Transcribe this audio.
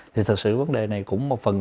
thì thật sự vấn đề này cũng một phần